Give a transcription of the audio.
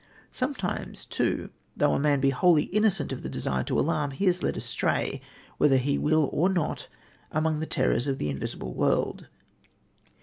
Sometimes too, though a man be wholly innocent of the desire to alarm, he is led astray, whether he will or not, among the terrors of the invisible world.